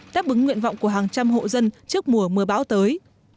đáp ứng nguyện vọng của hàng trăm hộ dân trước mùa mưa bão tới